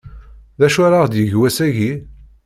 D acu ara ɣ-d-yeg wass-agi?